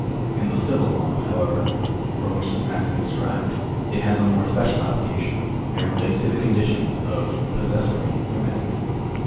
In the civil law, however, from which this maxim is derived, it has a more special application, and relates to the conditions of possessory remedies.